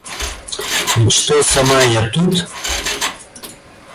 И что сама я тут?